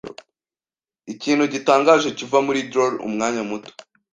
ikintu gitangaje kiva muri droll umwanya muto